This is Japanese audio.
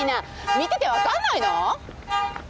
見てて分かんないの！？